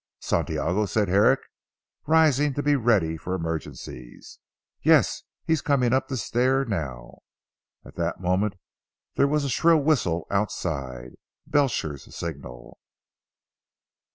"Santiago!" said Herrick rising to be ready for emergencies. "Yes! He is coming up the stair now." At that moment there was a shrill whistle outside, Belcher's signal.